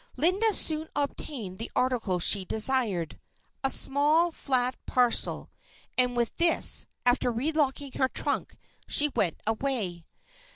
Linda soon obtained the article she desired a small, flat parcel and with this, after relocking her trunk, she went away.